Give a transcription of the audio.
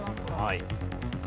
はい。